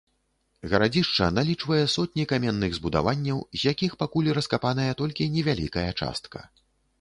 Гарадзішча налічвае сотні каменных збудаванняў, з якіх пакуль раскапаная толькі невялікая частка.